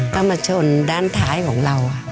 ก็มาชนด้านท้ายของเรา